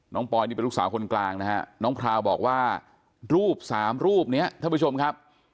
ปอยนี่เป็นลูกสาวคนกลางนะฮะน้องพราวบอกว่ารูปสามรูปนี้ท่านผู้ชมครับ